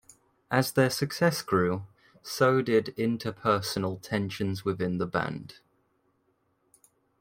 As their success grew, so did interpersonal tensions within the band.